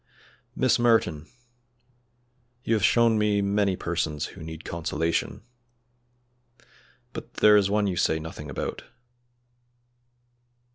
"Miss Merton, you have shown me many persons who need consolation, but there is one you say nothing about."